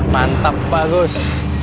mantap pak gus